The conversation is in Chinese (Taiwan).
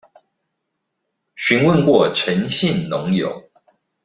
詢問過陳姓農友